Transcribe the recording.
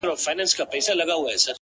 چي لــه ژړا سره خبـري كوم _